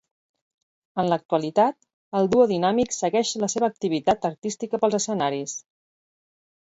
En l'actualitat, el Duo Dinàmic segueix la seva activitat artística pels escenaris.